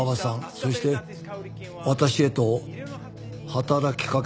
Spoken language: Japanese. そして私へと働きかけてきたんです。